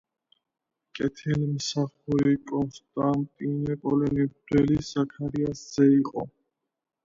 კეთილმსახური კონსტანტინოპოლელი მღვდლის, ზაქარიას ძე იყო.